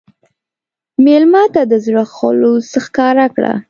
مېلمه ته د زړه خلوص ښکاره کړه.